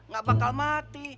gak bakal mati